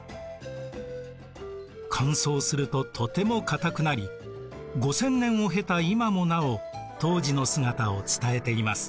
乾燥するととても硬くなり５０００年を経た今もなお当時の姿を伝えています。